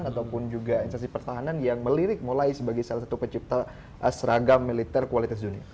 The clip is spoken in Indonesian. ataupun juga instansi pertahanan yang melirik mulai sebagai salah satu pencipta seragam militer kualitas dunia